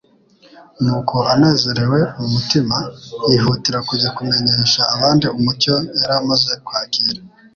Nuko anezerewe mu mutima, yihutira kujya kumenyesha abandi umucyo yari amaze kwakira.